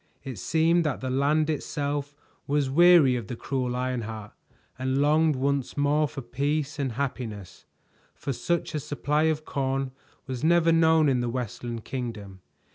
It seemed that the land itself was weary of the cruel Ironheart and longed once more for peace and happiness, for such a supply of corn was never known in the Westland Kingdom.